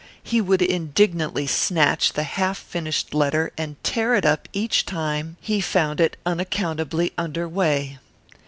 He would indignantly snatch the half finished letter and tear it up each time he found it unaccountably under way.